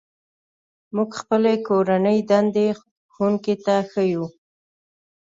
موږ خپلې کورنۍ دندې ښوونکي ته ښيو.